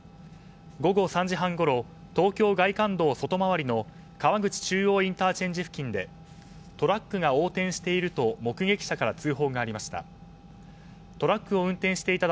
午後３時半ごろ、東京外環道外回りの川口中央ＩＣ付近でトラックが横転していると目撃者から通報がありました。